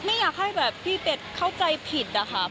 ไม่อยากให้แบบพี่เป็ดเข้าใจผิดอะค่ะ